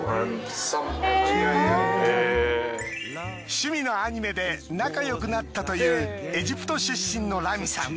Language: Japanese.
趣味のアニメで仲よくなったというエジプト出身のラミさん。